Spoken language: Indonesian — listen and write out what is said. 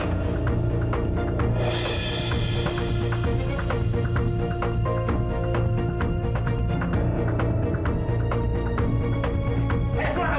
ayo keluar kamu